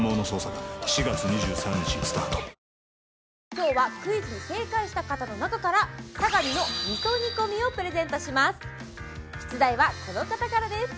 今日はクイズに正解した方の中からサガミのみそ煮込をプレゼントします出題はこの方からです